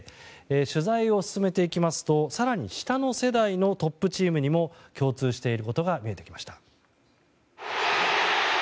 取材を進めていきますと更に下の世代のトップチームにも共通していることが見えてきました。